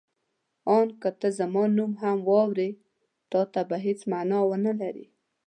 آن که ته زما نوم هم واورې تا ته به هېڅ مانا ونه لري.